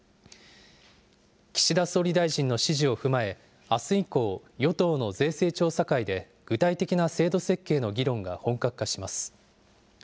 岸田総理大臣の指示を踏まえ、あす以降、与党の税制調査会で具体的な制度設計の議論が本格化します。